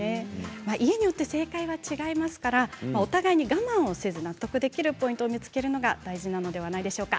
家によって正解は違いますから、お互い我慢せず納得できるポイントを見つけるのが大事なのではないでしょうか。